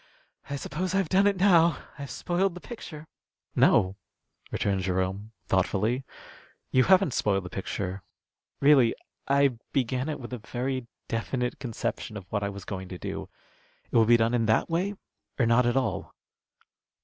"I suppose I've done it now. I've spoiled the picture." "No," returned Jerome, thoughtfully, "you haven't spoiled the picture. Really I began it with a very definite conception of what I was going to do. It will be done in that way or not at all."